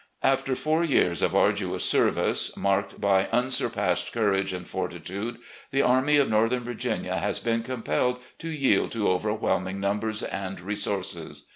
"After fom years' of arduous service, marked by unsur passed courage and fortitude, the Army of Northern Vir ginia has been compelled to yield to overwhelming num bers and resources.